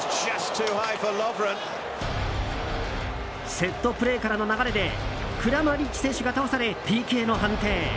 セットプレーからの流れでクラマリッチ選手が倒されＰＫの判定。